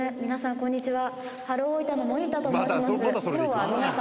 こんにちは。